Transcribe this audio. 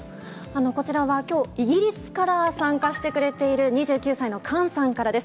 こちらはきょう、イギリスから参加してくれている、２９歳のＫａｎさんからです。